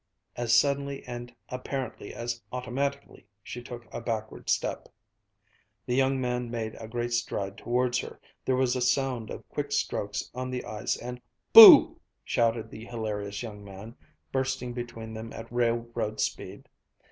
As suddenly and apparently as automatically she took a backward step. The young man made a great stride towards her there was a sound of quick strokes on the ice and "BOO!" shouted the hilarious young man, bursting between them at railroad speed.